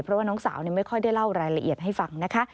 เพราะว่าน้องสาวไม่ค่อยได้เล่ารายละเอียดให้ฟังนะคะ